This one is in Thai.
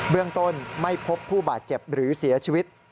เรื่องต้นไม่พบผู้บาดเจ็บหรือเสียชีวิต